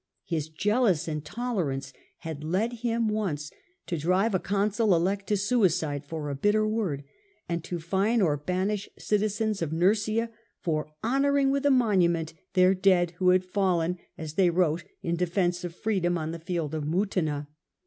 His jealous intolerance had led him once to drive a consul elect to suicide for a bitter word, and to fine or banish citizens ol Nursia for honouring with a monument their de^.d who had fallen, as they wrote, in defence of freedom on the field of Mutina.